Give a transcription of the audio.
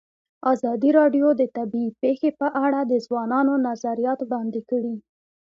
ازادي راډیو د طبیعي پېښې په اړه د ځوانانو نظریات وړاندې کړي.